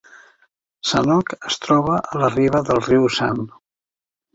Sanok es troba a la riba del riu San.